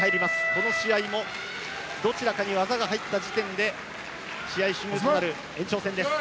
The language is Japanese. この試合もどちらかに技が入った時点で試合終了となる延長戦です。